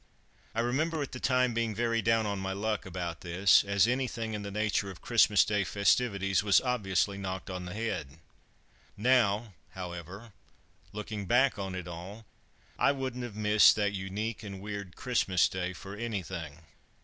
I remember at the time being very down on my luck about this, as anything in the nature of Christmas Day festivities was obviously knocked on the head. Now, however, looking back on it all, I wouldn't have missed that unique and weird Christmas Day for anything.